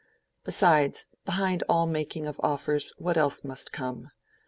Besides, behind all making of such offers what else must come?